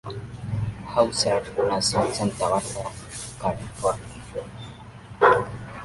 Hauser nació en Santa Bárbara, California.